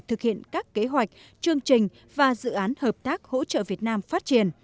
thực hiện các kế hoạch chương trình và dự án hợp tác hỗ trợ việt nam phát triển